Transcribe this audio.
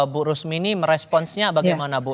bu rusmini meresponsnya bagaimana bu